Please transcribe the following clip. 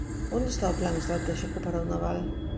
¿Onde está o plan estratéxico para o naval?